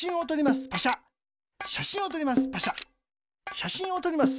しゃしんをとります。